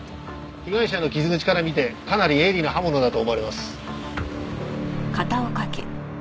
被害者の傷口から見てかなり鋭利な刃物だと思われます。